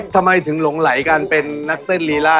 ทำไมถึงหลงไหลกันเป็นนักเต้นลีล่า